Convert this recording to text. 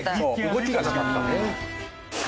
動きがなかったね。